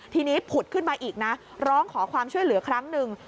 ทีนี้ผุดขึ้นมาอีกนะร้องขอความช่วยเหลือครั้งหนึ่ง